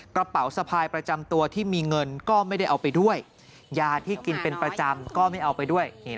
กระเป๋าสะพายประจำตัวที่มีเงินก็ไม่ได้เอาไปด้วยยาที่กินเป็นประจำก็ไม่เอาไปด้วย